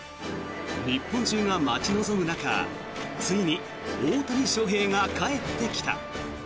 日本中が待ち望む中ついに大谷翔平が帰ってきた。